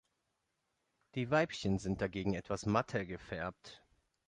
Die Weibchen sind dagegen etwas matter gefärbt.